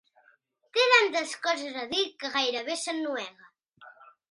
Té tantes coses a dir que gairebé s'ennuega.